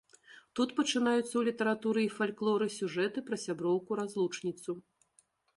Тут пачынаюцца ў літаратуры і фальклоры сюжэты пра сяброўку-разлучніцу.